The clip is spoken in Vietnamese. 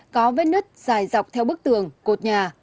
có vết nứt dài dọc theo bức tường cột nhà